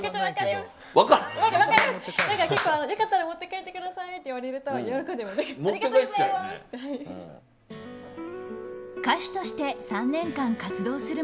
よかったら持って帰ってくださいって言われると喜んで持って帰る。